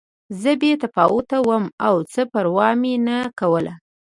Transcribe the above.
زه بې تفاوته وم او څه پروا مې نه کوله